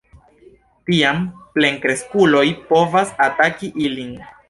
Tiam plenkreskuloj povas ataki ilin.